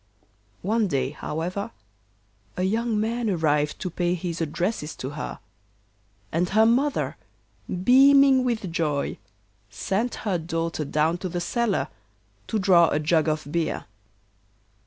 One day, however, a young man arrived to pay his addresses to her, and her mother, beaming with joy, sent her daughter down to the cellar to draw a jug of beer.